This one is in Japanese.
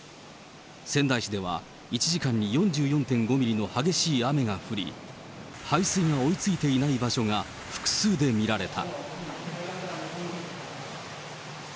仙台市では、１時間に４４．５ミリの激しい雨が降り、排水が追いついていない場所が複数で見られた。